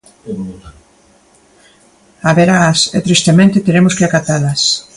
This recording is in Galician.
Haberaas e tristemente teremos que acatalas.